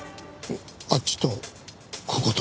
あっちとここと。